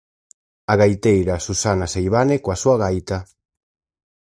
A gaiteira Susana Seivane coa súa gaita.